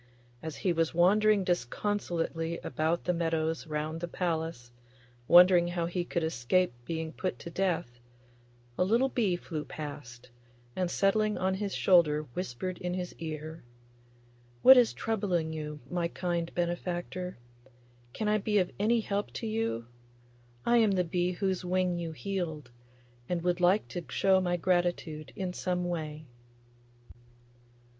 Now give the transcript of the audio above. As he was wandering disconsolately about the meadows round the palace, wondering how he could escape being put to death, a little bee flew past, and settling on his shoulder whispered in his ear, 'What is troubling you, my kind benefactor? Can I be of any help to you? I am the bee whose wing you healed, and would like to show my gratitude in some way.